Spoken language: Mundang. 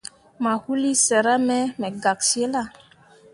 Mayuulii sera me me gak cillah.